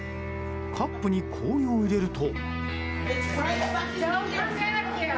カップに氷を入れると。